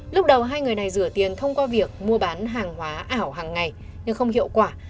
lúc đầu hai người này rửa tiền thông qua việc mua bán hàng hóa ảo hàng ngày nhưng không hiệu quả